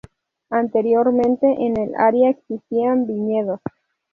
Anteriormente, en el área existían viñedos.